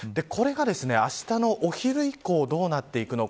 これがあしたのお昼以降どうなるか。